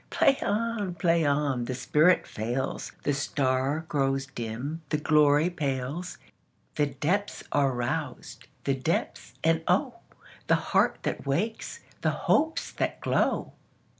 Play on! Play on! The spirit fails, The star grows dim, the glory pales, The depths are roused—the depths, and oh! The heart that wakes, the hopes that glow!